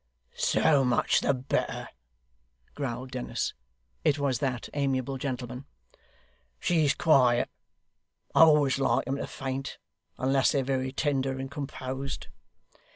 'So much the better,' growled Dennis it was that amiable gentleman. 'She's quiet. I always like 'em to faint, unless they're very tender and composed.